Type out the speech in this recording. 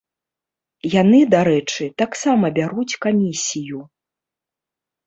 Яны, дарэчы, таксама бяруць камісію.